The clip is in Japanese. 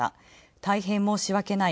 大変申し訳ない。